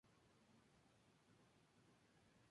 Es un ave delicada, pero muy activa y de complexión robusta.